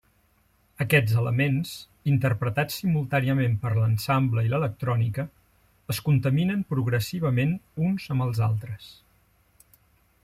Aquests elements, interpretats simultàniament per l'ensemble i l'electrònica, es contaminen progressivament uns amb els altres.